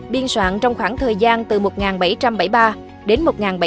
biên soạn trong khoảng thời gian từ một nghìn bảy trăm bảy mươi ba đến một nghìn bảy trăm tám mươi hai